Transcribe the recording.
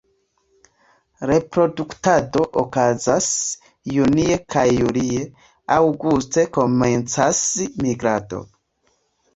Reproduktado okazas junie kaj julie; aŭguste komencas migrado.